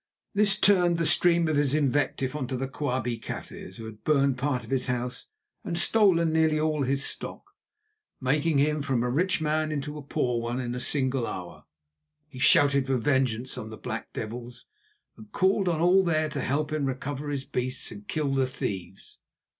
This turned the stream of his invective on to the Quabie Kaffirs, who had burned part of his house and stolen nearly all his stock, making him from a rich man into a poor one in a single hour. He shouted for vengeance on the "black devils," and called on all there to help him to recover his beasts and kill the thieves.